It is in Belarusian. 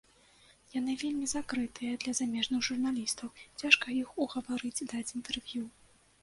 Яны вельмі закрытыя для замежных журналістаў, цяжка іх угаварыць даць інтэрв'ю.